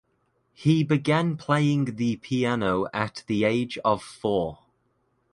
He began playing the piano at the age of four.